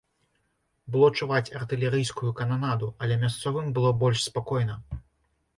Было чуваць артылерыйскую кананаду, але мясцовым было больш спакойна.